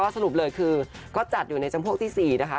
สรุปเลยคือก็จัดอยู่ในจำพวกที่๔นะคะ